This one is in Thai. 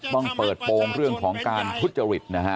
ต้องเปิดโปรงเรื่องของการทุจริตนะฮะ